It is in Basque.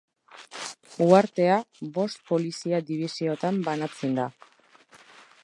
Uhartea bost polizia-dibisiotan banatzen da.